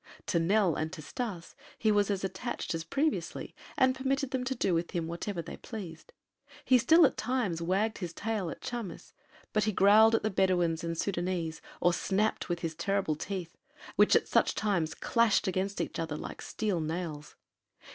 To Nell and to Stas he was as attached as previously and permitted them to do with him whatever they pleased. He still at times wagged his tail at Chamis, but he growled at the Bedouins and Sudânese or snapped with his terrible teeth, which at such times clashed against each other like steel nails.